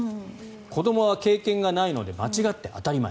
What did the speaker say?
子どもは経験がないので間違って当たり前。